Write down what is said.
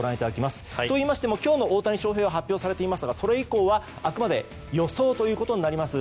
といいましても今日の大谷翔平は発表されていますがそれ以降はあくまで予想ということになります。